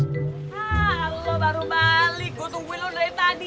halo baru balik gue tungguin lo dari tadi